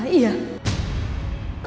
mas bisain intan berkan nurun nela